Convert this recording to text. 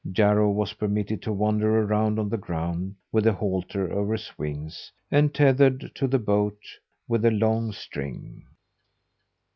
Jarro was permitted to wander around on the ground, with the halter over his wings, and tethered to the boat, with a long string.